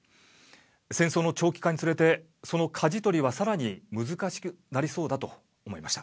戦争の長期化につれてそのかじ取りはさらに難しくなりそうだと思いました。